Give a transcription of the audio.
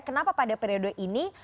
kenapa pada periode ini